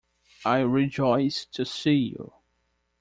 I rejoice to see you!